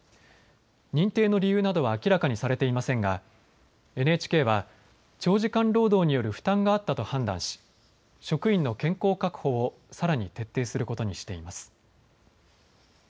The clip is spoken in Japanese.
認定の理由などは明らかにされていませんがＮＨＫは長時間労働による負担があったと判断し職員の健康確保をさらに徹底することにしています。